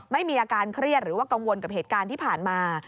ไม่มีอาการเครียดหรือว่ากังวลกับเหตุการณ์ที่ผ่านมา